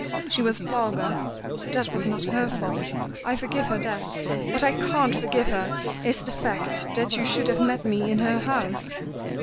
"She was vulgar. That was not her fault; I forgive her that. What I can't forgive her, is the fact that you should have met me in her house."